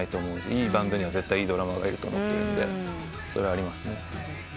いいバンドには絶対いいドラマーがいると思っているんでそれはありますね。